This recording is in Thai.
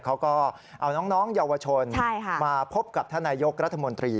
เขาก็เอาน้องเยาวชนมาพบกับท่านนายกรัฐมนตรี